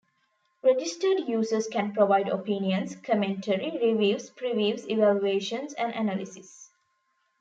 Registered users can provide opinions, commentary, reviews, previews, evaluations and analysis.